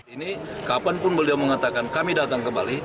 ini kapanpun beliau mengatakan kami datang ke bali